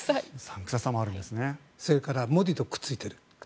それからモディとくっついている。